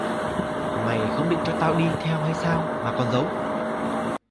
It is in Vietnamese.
Mày không định cho tao đi theo hay sao mà còn giấu